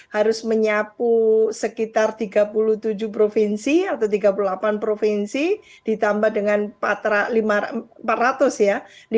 harus menyapu sekitar tiga puluh tujuh provinsi atau tiga puluh delapan provinsi ditambah dengan empat ratus ya